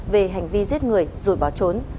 về hành vi giết người rủi bỏ trốn